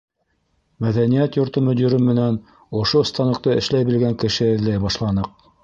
Мәҙәниәт йорто мөдире менән ошо станокта эшләй белгән кеше эҙләй башланыҡ.